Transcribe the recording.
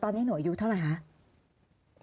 ตอนนี้หนูอายุเท่าไหร่คะ